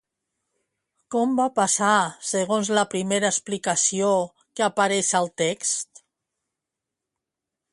Com va passar segons la primera explicació que apareix al text?